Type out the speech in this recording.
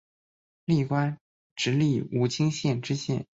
历官直隶武清县知县。